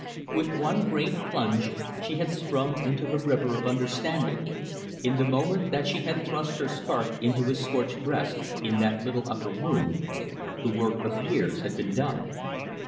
With one great plunge she had sprung into the river of understanding. In the moment that she had thrust her scarf into his scorched breast, in that little upper room, the work of years had been done.